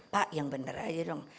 pak yang bener aja dong